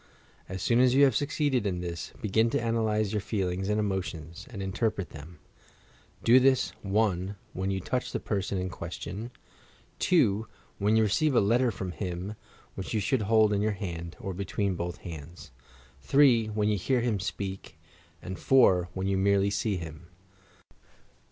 As soon as you have succeeded in this, begin to analyse your feelings and emotions, and interpret them. Do this, (1) when you touch the person in question; (2) when you receive a letter from him, which you should hold in your hand — or between both hands; (3) when you hear him speah; and (4) when you merely see him.